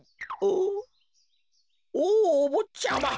おぉおぼっちゃま！